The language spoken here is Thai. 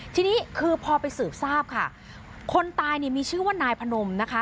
ทีนี้คือพอไปสืบทราบค่ะคนตายเนี่ยมีชื่อว่านายพนมนะคะ